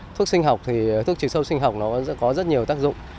thuốc sinh học thì thuốc trừ sâu sinh học nó có rất nhiều tác dụng